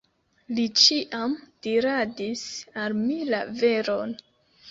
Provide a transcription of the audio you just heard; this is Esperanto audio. Li ĉiam diradis al mi la veron.